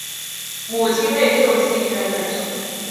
母亲为救济医院院长。